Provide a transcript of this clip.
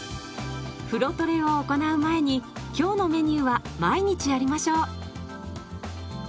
風呂トレを行う前に今日のメニューは毎日やりましょう。